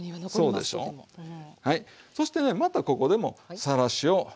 はいそしてねまたここでもさらしを用意して。